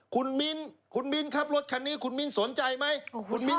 คุณมิ้นคุณมิ้นครับรถคันนี้คุณมิ้นสนใจไหม